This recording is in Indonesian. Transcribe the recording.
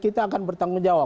kita akan bertanggung jawab